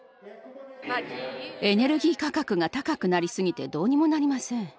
エネルギー価格が高くなりすぎてどうにもなりません。